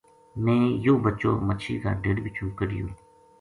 میں یوہ بچو مچھی کا ڈھیڈ بِچوں کڈھیو ہے‘‘